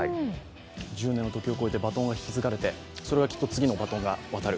１０年の時を超えてバトンを引き継がれて、次にまたバトンが渡る。